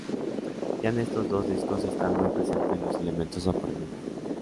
Ya en estos dos discos están muy presentes los elementos sorprendentes.